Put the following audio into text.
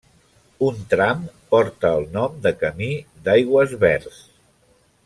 Un tram porta el nom de camí d'Aigüesverds.